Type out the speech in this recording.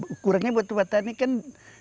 ukurannya batu bata ini kan sepuluh x dua puluh